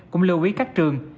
cũng lưu ý các trường